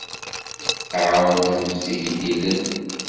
Ɛawnent igellilen.